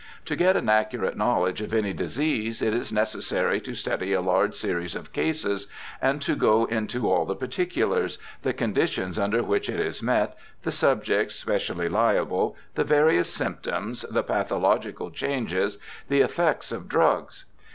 To get an accurate knowledge of any disease it is necessary to study a large series of cases and to go into all the particulars— the conditions under which it is met, the subjects specially liable, the various symptoms, the pathological changes, the effects of drugs.